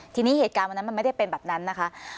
ทีนี้เหตุการณ์วันนั้นมันไม่ได้เป็นแบบนั้นนะคะ